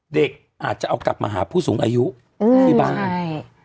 เด็กอาจจะเอากลับมาหาผู้สูงอายุที่บ้านใช่